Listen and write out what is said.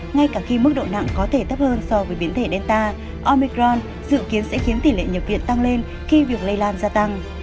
ngay cả khi mức độ nặng có thể thấp hơn so với biến thể delta omicron dự kiến sẽ khiến tỷ lệ nhập viện tăng lên khi việc lây lan gia tăng